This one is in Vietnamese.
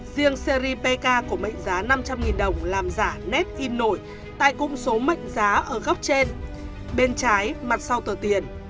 riêng seri pk của mệnh giá năm trăm linh đồng làm giả nét in nổi tại cung số mệnh giá ở góc trên bên trái mặt sau tờ tiền